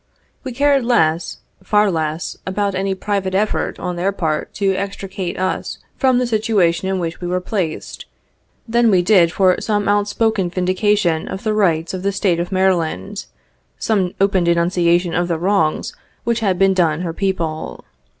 We cared less, far less, about any private effort on their part to extricate us from the situation in which we were placed, than we did for some outspoken vindication of the rights of the State of Maryland — some open denunciation of the wrongs which had been done her people.